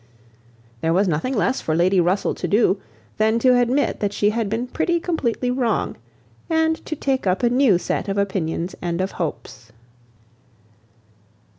There was nothing less for Lady Russell to do, than to admit that she had been pretty completely wrong, and to take up a new set of opinions and of hopes.